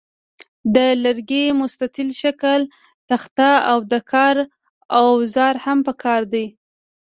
د لرګي مستطیل شکله تخته او د کار اوزار هم پکار دي.